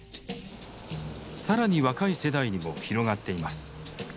更に若い世代にも広がっています。